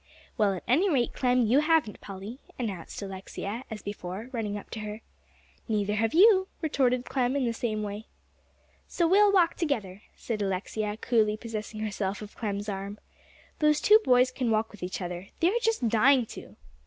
"Well, at any rate, Clem, you haven't Polly," announced Alexia as before, running up to her. "Neither have you," retorted Clem, in the same way. "So we will walk together," said Alexia, coolly possessing herself of Clem's arm. "Those two boys can walk with each other; they're just dying to."